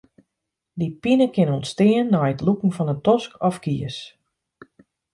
Dy pine kin ûntstean nei it lûken fan in tosk of kies.